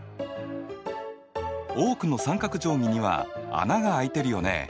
多くの三角定規には穴が開いてるよね。